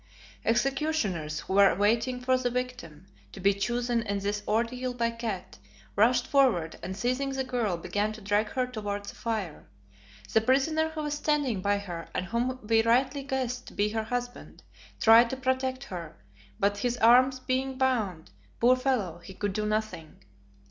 _" Executioners who were waiting for the victim to be chosen in this ordeal by cat, rushed forward and seizing the girl began to drag her towards the fire. The prisoner who was standing by her and whom we rightly guessed to be her husband, tried to protect her, but his arms being bound, poor fellow, he could do nothing.